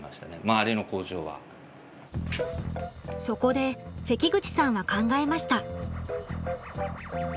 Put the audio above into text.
そこで関口さんは考えました。